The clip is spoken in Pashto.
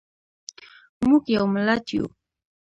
موږ یو ملت یو.